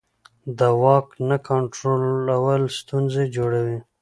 د واک نه کنټرول ستونزې جوړوي